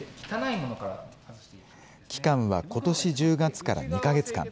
期間は、ことし１０月から２か月間。